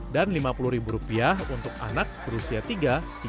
dan rp lima puluh untuk anak berusia tiga tujuh belas tahun